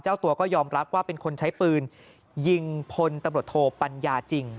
เจ้าตัวก็ยอมรับว่าเป็นคนใช้ปืนยิงพลตำรวจโทปัญญาจริง